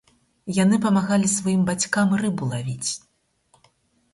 Яны памагалі сваім бацькам рыбу лавіць.